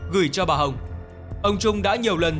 gửi cho bà hồng ông trung đã nhiều lần